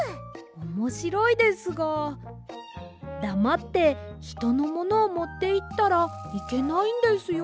おもしろいですがだまってひとのものをもっていったらいけないんですよ。